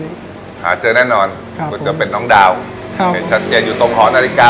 ที่จะหาเจอแน่นอนกูจะเป็นน้องดาวเฮ้ยชัดเจนอยู่ตรงหอนาฬิกา